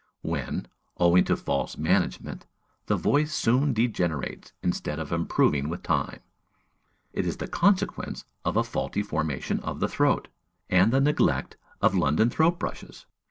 When, owing to false management, the voice soon degenerates instead of improving with time, it is the consequence of a faulty formation of the throat, and of the neglect of London throat brushes!